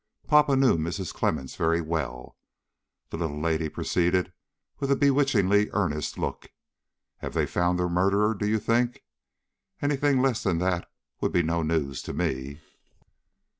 "Papa knew Mrs. Clemmens very well," the little lady proceeded with a bewitchingly earnest look. "Have they found the murderer, do you think? Any thing less than that would be no news to me."